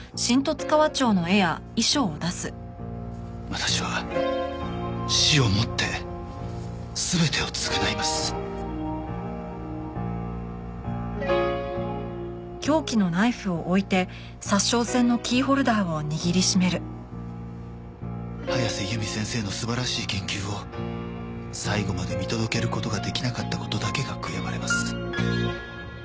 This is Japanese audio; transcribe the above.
「私は死をもって全てを償います」「早瀬由美先生の素晴らしい研究を最後まで見届ける事ができなかった事だけが悔やまれます」